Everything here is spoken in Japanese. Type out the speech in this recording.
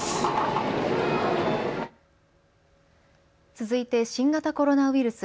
続いて新型コロナウイルス。